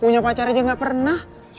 punya pacar aja gak pernah